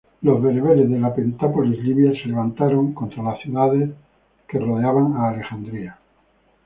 Los bereberes de la Pentápolis libia se levantaron contra las ciudades alrededor de Alejandría.